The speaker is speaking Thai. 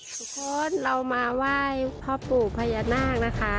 ทุกคนเรามาไหว้พ่อปู่พญานาคนะคะ